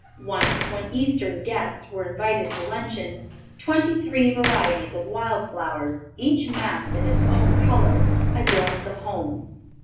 Once, when Eastern guests were invited to luncheon, twenty three varieties of wildflowers, each massed in its own color, adorned the home.